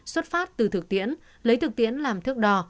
xuất phát từ thực tiễn lấy thực tiễn làm thước đo